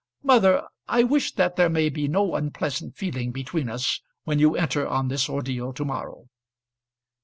Mother, I wish that there may be no unpleasant feeling between us when you enter on this ordeal to morrow."